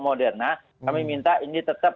moderna kami minta ini tetap